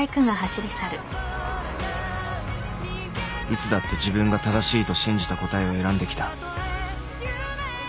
［いつだって自分が正しいと信じた答えを選んできた］